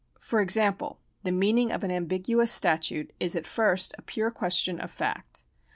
For example, the meaning of an ambiguous statute is at first a pure question of fact.